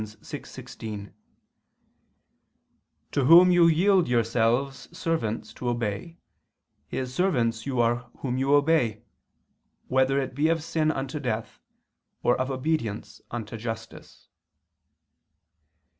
6:16): "To whom you yield yourselves servants to obey, his servants you are whom you obey, whether it be of sin unto death, or of obedience unto justice."